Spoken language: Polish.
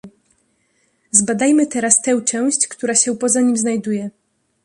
"Zbadajmy teraz tę część, która się poza nim znajduje."